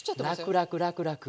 らくらくらくらく。